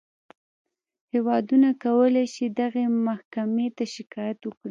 هېوادونه کولی شي دغې محکمې ته شکایت وکړي.